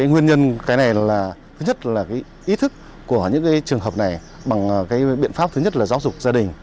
nguyên nhân cái này là thứ nhất là ý thức của những trường hợp này bằng biện pháp thứ nhất là giáo dục gia đình